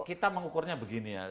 kita mengukurnya begini ya